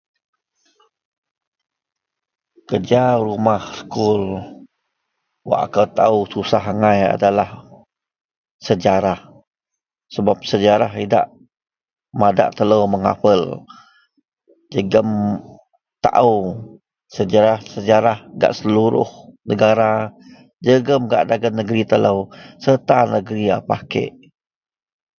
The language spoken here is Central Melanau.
Kerja rumah sekul, wak akou taao susah angai adalah sejarah sebap sejarah idak madak telou menghafal jegem taao sejarah - sejarah gak seluruh negara jegem gak dagen negeri telou serta negeri apah kek